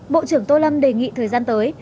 bộ trưởng tô lâm đề nghị thời gian tới